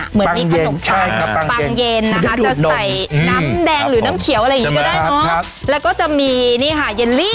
เหมือนมีขนมปังปังเย็นนะคะจะใส่น้ำแดงหรือน้ำเขียวอะไรอย่างนี้ก็ได้เนอะแล้วก็จะมีนี่ค่ะเย็นลี่